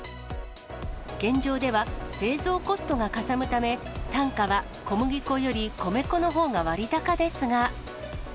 現状では、製造コストがかさむため、単価は小麦粉より米粉のほうが割高ですが。